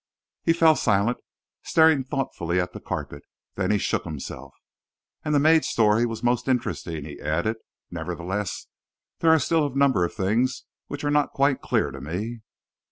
He fell silent, staring thoughtfully at the carpet. Then he shook himself. "And the maid's story was most interesting," he added. "Nevertheless, there are still a number of things which are not quite clear to me."